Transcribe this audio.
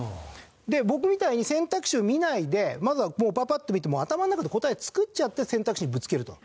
で僕みたいに選択肢を見ないでまずはもうパパッと見て頭の中で答え作っちゃって選択肢にぶつけると。